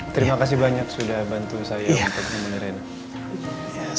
terima kasih banyak sudah bantu saya untuk menemani rena